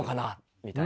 みたいな。